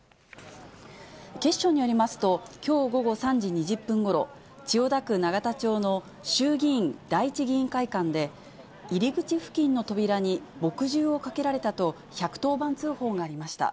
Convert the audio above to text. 警視庁によりますと、きょう午後３時２０分ごろ、千代田区永田町の衆議院第一議員会館で、入り口付近の扉に、墨汁をかけられたと１１０番通報がありました。